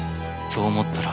そう思ったら。